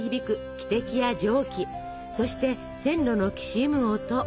汽笛や蒸気そして線路のきしむ音